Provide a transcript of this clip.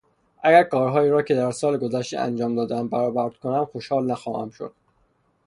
اگر کارهایی را که سال گذشته انجام دادهام برآورد کنم خوشحال نخواهم شد.